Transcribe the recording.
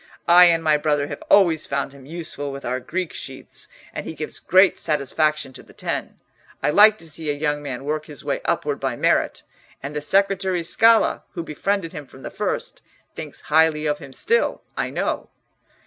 "I and my brother have always found him useful with our Greek sheets, and he gives great satisfaction to the Ten. I like to see a young man work his way upward by merit. And the secretary Scala, who befriended him from the first, thinks highly of him still, I know."